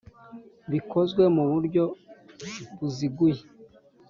bikozwe mu buryo buziguye